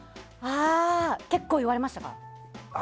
結構、言われましたか？